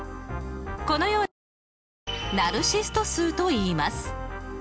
このような数をナルシスト数といいます。